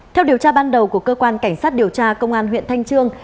theo điều tra ban đầu của cơ quan cảnh sát điều tra công an huyện thanh trương